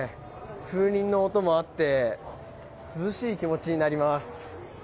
風鈴の音もあって涼しい気持ちになります。